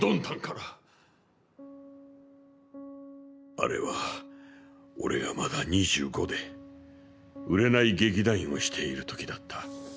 あれは俺がまだ２５で売れない劇団員をしている時だった。